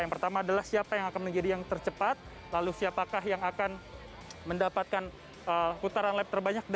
yang pertama adalah siapa yang akan menjadi yang tercepat lalu siapakah yang akan mendapatkan putaran lap terbanyak